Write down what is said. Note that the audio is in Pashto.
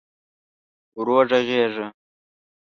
ورو ږغېږه !